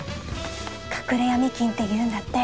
隠れヤミ金って言うんだって。